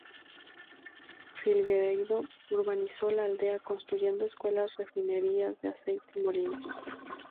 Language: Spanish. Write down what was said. Figueiredo urbanizó la aldea, construyendo escuelas, refinerías de aceite y molinos.